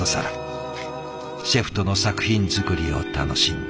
シェフとの作品作りを楽しんだ。